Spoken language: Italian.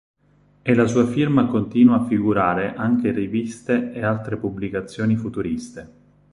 E la sua firma continua a figurare anche in riviste e altre pubblicazioni futuriste.